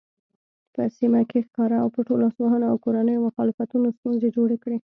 په سیمه کې ښکاره او پټو لاسوهنو او کورنیو مخالفتونو ستونزې جوړې کړې.